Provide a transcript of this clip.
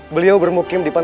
hai guru kukai jabat